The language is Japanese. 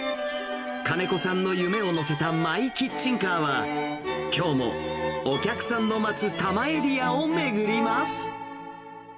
金子さんの夢を乗せたマイ・キッチンカーは、きょうもお客さんの待つ多摩エリアを巡ります。